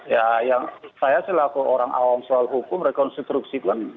ya yang saya selaku orang awam soal hukum rekonstruksi pun